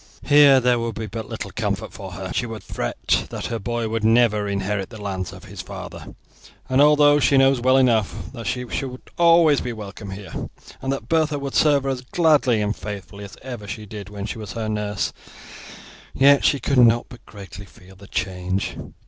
Here there would be little comfort for her she would fret that her boy would never inherit the lands of his father; and although she knows well enough that she would be always welcome here, and that Bertha would serve her as gladly and faithfully as ever she did when she was her nurse, yet she could not but greatly feel the change.